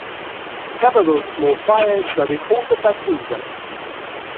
Several small fires were reported that season.